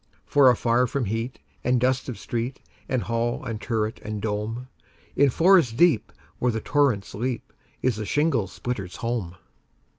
For afar from heat and dust of street, And hall and turret, and dome, In forest deep, where the torrents leap, Is the shingle splitter's home.